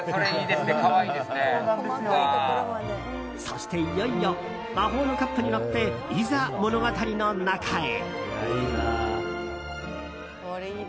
そして、いよいよ魔法のカップに乗っていざ物語の中へ。